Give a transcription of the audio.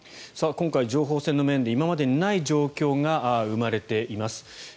今回、情報戦の面で今までにない状況が生まれています。